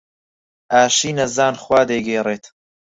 ئاشی نەزان خوا دەیگێڕێت.